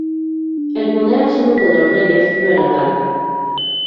El poder absoluto de los reyes no era tal.